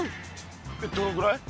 どのぐらい？